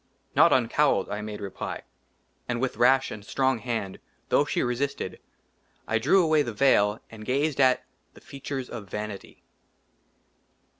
" NOT UNCOWLED," I MADE REPLY. AND WITH RASH AND STRONG HAND, THOUGH SHE RESISTED, I DREW AWAY THE VEIL AND GAZED AT THE FEATURES OF VANITY.